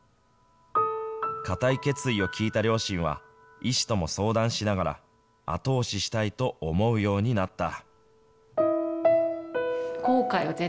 固い決意を聞いた両親は、医師とも相談しながら、後押ししたいと思うようになった。